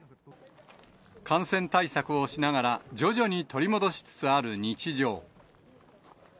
感染対策をしながら、徐々に取り戻しつつある日常。